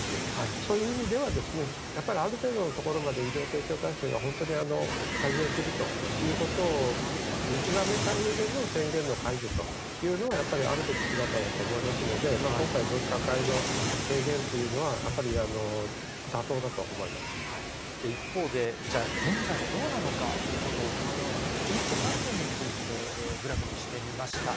そういう意味では、やっぱりある程度のところまで医療提供体制が本当に改善するということを見極めたうえでの宣言の解除というのが、やっぱりあるべき姿だと思いますので、今回、分科会の提言というのは、一方で、じゃあ現在はどうなのかということを、このように１都３県についてグラフにしてみました。